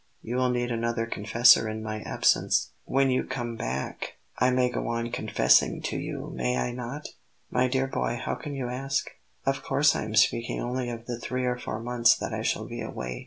"You will need another confessor in my absence." "When you come back I may go on confessing to you, may I not?" "My dear boy, how can you ask? Of course I am speaking only of the three or four months that I shall be away.